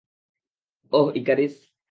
ওহ, Ikaris.